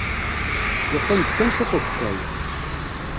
Yeqqim-d kan cwiṭ n ukeffay.